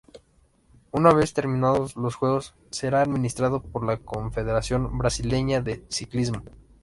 Una vez terminados los juegos será administrado por la Confederación Brasileña de Ciclismo.